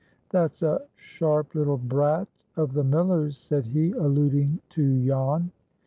"That's a sharp little brat of the miller's," said he, alluding to Jan.